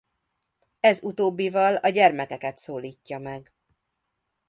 Ez utóbbival a gyermekeket szólítja meg.